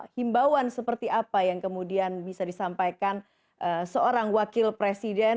himbauan seperti apa yang kemudian bisa disampaikan seorang wakil presiden